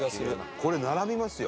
これ並びますよ。